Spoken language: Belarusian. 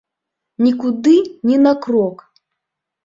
Нікуды ні на крок!